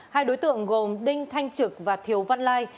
hai đối tượng gồm đinh thanh trực và thiều văn lai